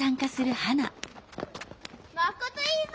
マコトいいぞ！